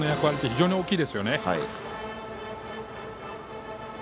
非常に大きいです。